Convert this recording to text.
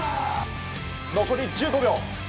残り１５秒。